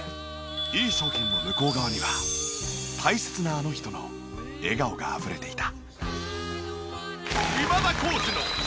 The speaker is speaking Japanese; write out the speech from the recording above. いい商品の向こう側には大切なあの人の笑顔があふれていた。